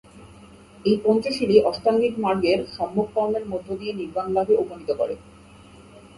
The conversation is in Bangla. এই পঞ্চশীলই অষ্টাঙ্গিক মার্গের সম্যক কর্মের মধ্যে দিয়ে নির্বাণলাভে উপনীত করে।